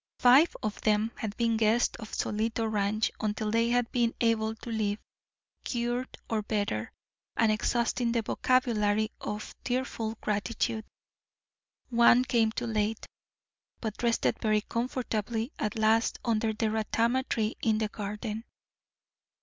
Five of them had been guests of Solito Ranch until they had been able to leave, cured or better, and exhausting the vocabulary of tearful gratitude. One came too late, but rested very comfortably, at last, under a ratama tree in the garden.